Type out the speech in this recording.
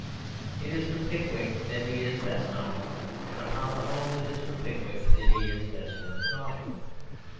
It is for Pickwick that he is best known; and upon the whole it is for Pickwick that he is best worth knowing.